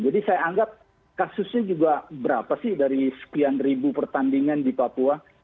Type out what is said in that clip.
jadi saya anggap kasusnya juga berapa sih dari sekian ribu pertandingan di papua